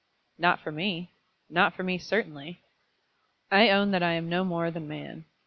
"Not for me not for me, certainly. I own that I am no more than man.